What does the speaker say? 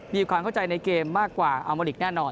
มีความเข้าใจในเกมมากกว่าอัลโมลิกแน่นอน